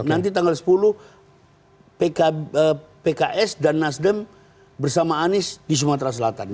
nanti tanggal sepuluh pks dan nasdem bersama anies di sumatera selatan